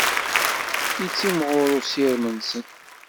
Yettimɣur usirem-nsen.